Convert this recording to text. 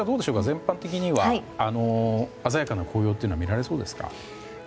全般的には、鮮やかな紅葉は見られそうですか？